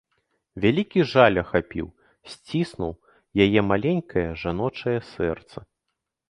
Вялікі жаль ахапіў, сціснуў яе маленькае, жаночае сэрца.